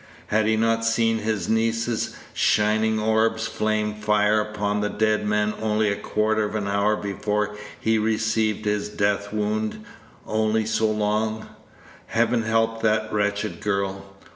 Had he not seen his niece's shining orbs flame fire upon the dead man only a quarter of an hour before he received his death wound only so long Heaven help that wretched girl!